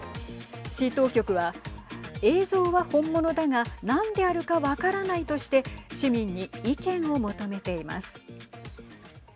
市当局は映像は本物だが何であるか分からないとして市民に意見を求めています。